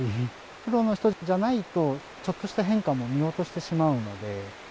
プロの人じゃないと、ちょっとした変化も見落としてしまうので。